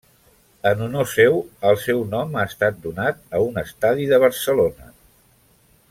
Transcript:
En honor seu, el seu nom ha estat donat a un estadi de Barcelona.